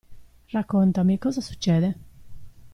Raccontami, cosa succede?